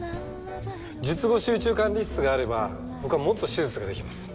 術後集中管理室があれば僕はもっと手術が出来ます。